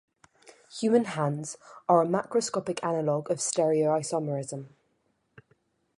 Human hands are a macroscopic analog of stereoisomerism.